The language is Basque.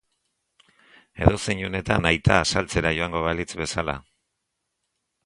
Edozein unetan aita azaltzera joango balitz bezala.